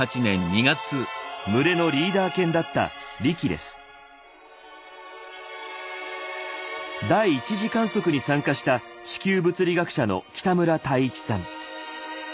群れのリーダー犬だった第１次観測に参加した地球物理学者の北村泰一さん。